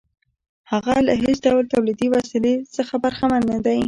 هغه له هېڅ ډول تولیدي وسیلې څخه برخمن نه دی